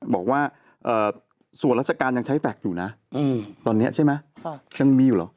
บอกว่าส่วนราชการยังใช้แฟลต์อยู่นะตอนนี้ใช่ไหมยังมีอยู่เหรอ